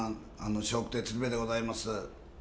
笑福亭鶴瓶でございます。